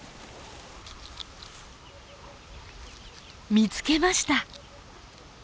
見つけました。